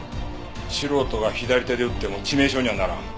素人が左手で撃っても致命傷にはならん。